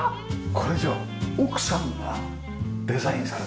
これじゃあ奥さんがデザインされたんだ？